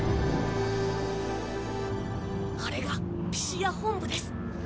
あれがピシア本部です。